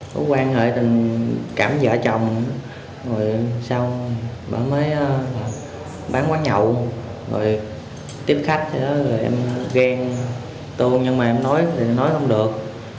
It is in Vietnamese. bà phượng bán quán nhậu tiếp khách em ghen tuông nhưng mà em nói thì nói không được